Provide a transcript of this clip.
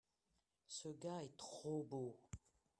ce gars est trop beau.